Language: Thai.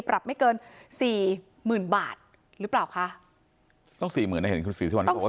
ปรับไม่เกินสี่หมื่นบาทหรือเปล่าคะต้องสี่หมื่นนะเห็นคุณศรีสุวรรณเขาบอกว่า